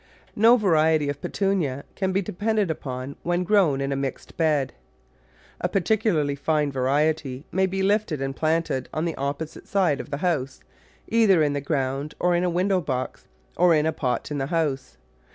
No variety of Petunia can be depended upon when grown in a mixed bed. A particularly fine variety may be lifted and planted on the opposite side of the house, either in the ground or in a window box, or in a pot in the house.